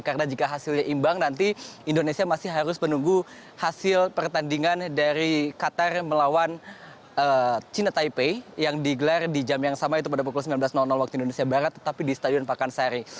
karena jika hasilnya imbang nanti indonesia masih harus menunggu hasil pertandingan dari qatar melawan china taipei yang digelar di jam yang sama itu pada pukul sembilan belas waktu indonesia barat tetapi di stadion pakansari